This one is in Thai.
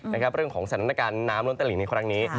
เรื่องของสถานการณ์น้ำล้นตลิ่งในครั้งนี้